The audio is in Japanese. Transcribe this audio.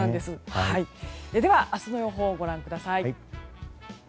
では明日の予報をご覧ください。